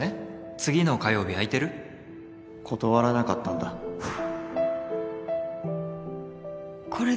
「次の火曜日空いてる断らなかったんだ・雨樹さん。